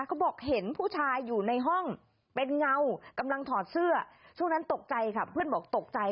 เขาบอกเห็นผู้ชายอยู่ในห้องเป็นเงากำลังถอดเสื้อช่วงนั้นตกใจค่ะเพื่อนบอกตกใจ